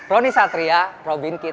roni satria robin kit